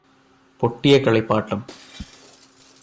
പൊട്ടിയ കളിപ്പാട്ടം